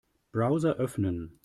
Browser öffnen.